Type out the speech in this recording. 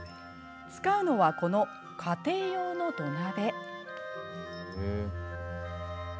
使うのは、この家庭用の土鍋。